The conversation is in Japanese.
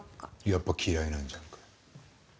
やっぱ嫌いなんじゃんか。